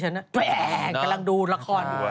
แป้งดั่งดูละคร